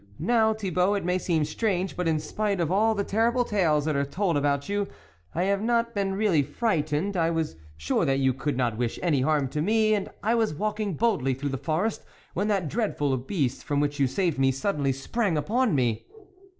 " Now, Thi bault, it may seem strange, but in spite of all the terrible tales that are told about you, I have not been really frightened ; I was sure that you could not wish any harm to me, and I was walking boldly through the forest, when that dreadful beast from which you saved me, suddenly sprang upon me."